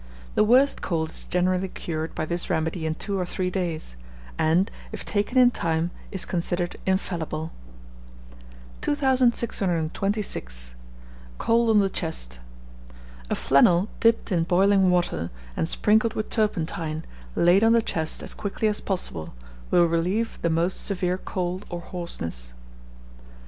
The worst cold is generally cured by this remedy in two or three days; and, if taken in time, is considered infallible. 2626. COLD ON THE CHEST. A flannel dipped in boiling water, and sprinkled with turpentine, laid on the chest as quickly as possible, will relieve the most severe cold or hoarseness.